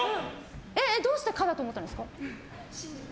どうして可だと思ったんですか？